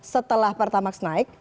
setelah pertamaks naik